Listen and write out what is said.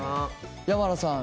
山名さん